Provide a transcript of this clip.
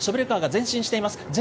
前進しています。